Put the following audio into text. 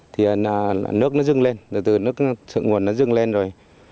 thì nước nó dưng lên từ từ nước sượng nguồn nó dưng lên rồi